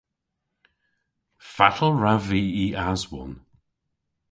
Fatel wrav vy y aswon?